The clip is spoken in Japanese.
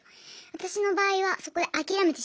私の場合はそこで諦めてしまって。